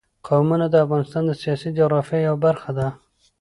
قومونه د افغانستان د سیاسي جغرافیه یوه برخه ده.